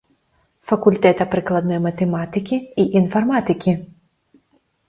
Факультэта прыкладной матэматыкі і інфарматыкі.